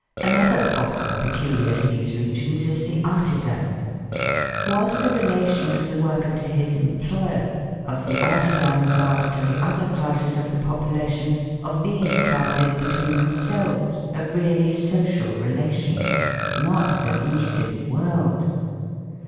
Another fossil peculiar to these regions is the artisan. Was the relation of the worker to his employer, of the artisan class to the other classes of the population, of these classes between themselves a really social relation? Not the least in the world!